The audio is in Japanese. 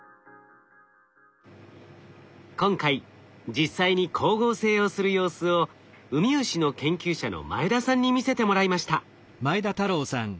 今回実際に光合成をする様子をウミウシの研究者の前田さんに見せてもらいました。